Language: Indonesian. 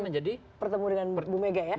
ketemu dengan ibu mega ya